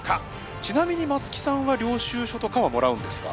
ちなみに松木さんは領収書とかはもらうんですか？